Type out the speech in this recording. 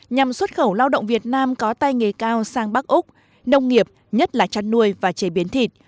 nhằm xuất khẩu lao động việt nam có tay nghề cao sang bắc úc nông nghiệp nhất là chăn nuôi và chế biến thịt